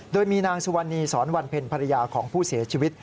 โดยมีนางสุวรรณีสอนวันเพ็ญภรรยาของผู้เสียชีวิต